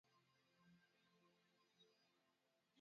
Samaki ya pweto inaikalaka miba mingi